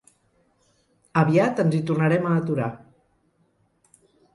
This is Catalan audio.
Aviat ens hi tornarem a aturar.